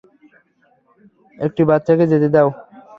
একটি বাচ্চাকে যেতে দাও।